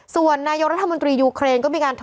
ส่วนนายรัฐบังกรียุเครน